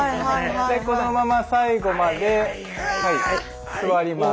このまま最後まで座ります。